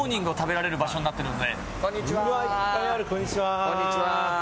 こんにちは。